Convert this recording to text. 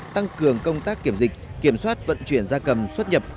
tăng cường công tác kiểm dịch kiểm soát vận chuyển gia cầm xuất nhập